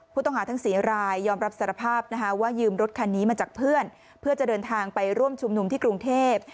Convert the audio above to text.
ผู้ต้องหาทั้ง๔รายยอมรับสารภาพนะคะว่ายืมรถคันนี้มาจากเพื่อนเพื่อจะเดินทางไปร่วมชุมนุมที่กรุงเทพ